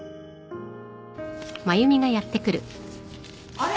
・あれ？